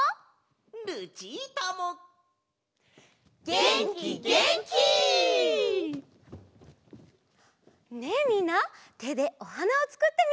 げんきげんき！ねえみんなてでおはなをつくってみて！